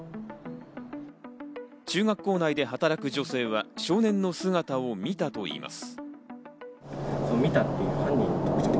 中学校内で働く女性は少年の姿を見たといいます。